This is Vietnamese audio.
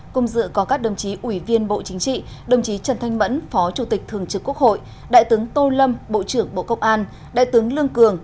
cùng dự có các đồng chí ủy viên bộ chính trị đồng chí trần thanh mẫn phó chủ tịch thường trực quốc hội đại tướng tô lâm bộ trưởng bộ công an đại tướng lương cường